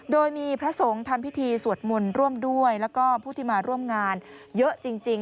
โดยมีพระสงฆ์ทำพิธีสวดมนต์ร่วมด้วยแล้วก็ผู้ที่มาร่วมงานเยอะจริง